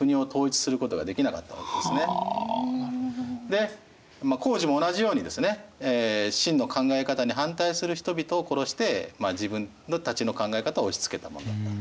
でまあ坑儒も同じようにですね秦の考え方に反対する人々を殺して自分たちの考え方を押しつけたものだったんですね。